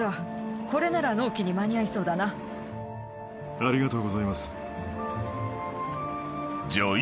ありがとうございます。